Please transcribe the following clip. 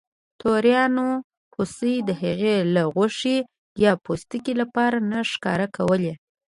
توریانو هوسۍ د هغې له غوښې یا پوستکي لپاره نه ښکار کولې.